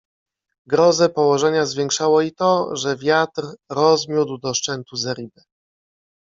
Grozę położenia zwiększało i to, że wiatr rozmiótł do szczętu zeribę.